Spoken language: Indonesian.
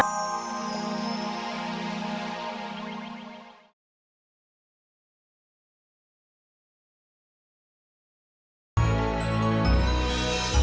anda membentur semuanya oleh kaseytiger